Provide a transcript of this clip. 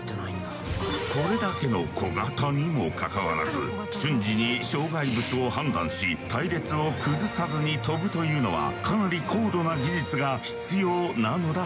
これだけの小型にもかかわらず瞬時に障害物を判断し隊列を崩さずに飛ぶというのはかなり高度な技術が必要なのだそう。